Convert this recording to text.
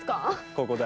ここだ。